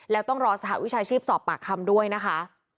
แล้วต้องรอสหวิชาชีพสอบปากคำด้วยนะคะ